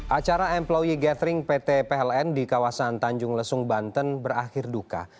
acara employe gathering pt pln di kawasan tanjung lesung banten berakhir duka